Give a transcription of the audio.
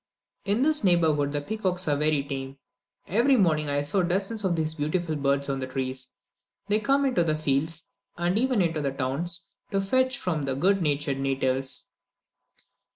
In this neighbourhood, the peacocks are very tame. Every morning, I saw dozens of these beautiful birds on the trees; they come into the fields, and even into the towns, to fetch food from the good natured natives.